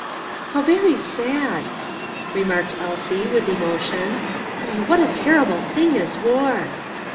"How very sad," remarked Elsie, with emotion. "Oh, what a terrible thing is war!"